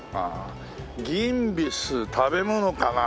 ギンビス食べ物かなあ？